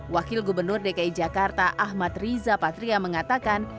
wakil gubernur dki jakarta ahmad riza patria mengatakan